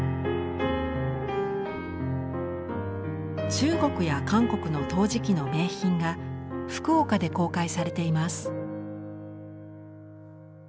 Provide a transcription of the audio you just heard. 中国や韓国の陶磁器の名品が福岡で公開されています。